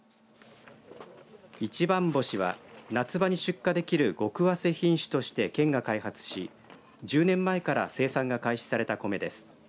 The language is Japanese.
一番星は夏場に出荷できる極わせ品種として県が開発し１０年前から生産が開始された米です。